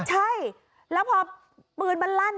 ใช่แล้วพอปืนมันลั่น